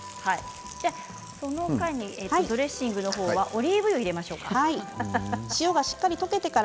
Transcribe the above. その間にドレッシングの方はオリーブ油を入れましょうか。